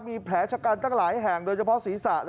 มีแผลชะกันตั้งหลายแห่งโดยเฉพาะศีรษะ